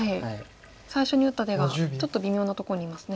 最初に打った手がちょっと微妙なとこにいますね。